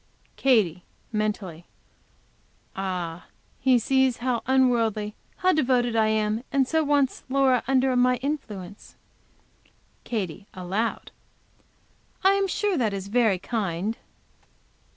Katy, mentally. "Ah! He sees how unworldly, how devoted I am, and so wants Laura under my influence." Katy, aloud. "I am sure that is very kind."